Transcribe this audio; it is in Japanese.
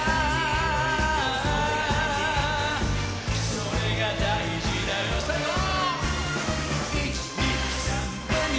「それが大事だよ」さあいこう！